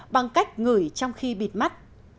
bằng cách ngửi trong khi bịt mắt